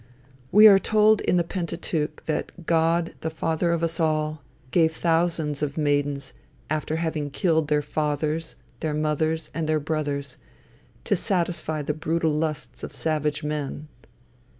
We are told in the Pentateuch, that God, the father of us all, gave thousands of maidens, after having killed their fathers, their mothers, and their brothers, to satisfy the brutal lusts of savage men.